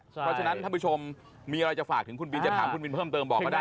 เพราะฉะนั้นท่านผู้ชมมีอะไรจะฝากถึงคุณบินจะถามคุณบินเพิ่มเติมบอกก็ได้